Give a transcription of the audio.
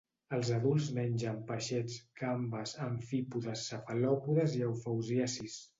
Els adults mengen peixets, gambes, amfípodes, cefalòpodes i eufausiacis.